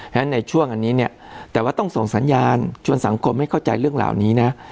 ฉะในช่วงอันนี้เนี่ยแต่ว่าต้องส่งสัญญาณชวนสังคมให้เข้าใจเรื่องเหล่านี้นะ